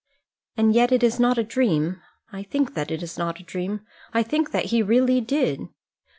"And yet it is not a dream. I think that it is not a dream. I think that he really did."